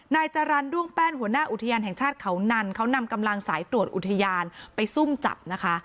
นายจรรย์ด้วงแป้นหัวหน้าอุทยานแห่งชาติเขานันเขานำกำลังสายตรวจอุทยานไปซุ่มจับนะคะ